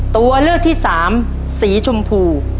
ตัวเลือกที่สามสีชมพู